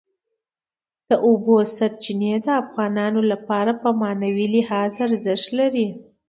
د اوبو سرچینې د افغانانو لپاره په معنوي لحاظ ارزښت لري.